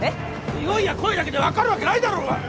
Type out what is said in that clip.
においや声だけで分かるわけないだろうが！